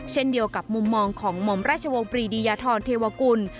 เช่นเดียวกับมุมมองของหม่อมราชวงศ์ปรีดียธรเทวกุล